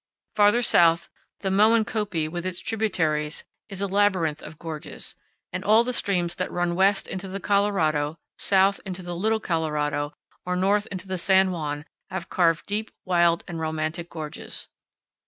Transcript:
Farther south the Moencopie with its tributaries is a labyrinth of gorges; and all the streams that run west into the Colorado, south into the Little Colorado, or north into the San Juan have carved deep, wild, and romantic gorges.